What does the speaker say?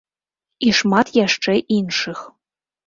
І шмат яшчэ іншых.